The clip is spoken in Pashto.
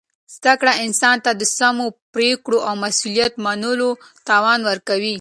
زده کړه انسان ته د سمو پرېکړو او مسؤلیت منلو توان ورکوي.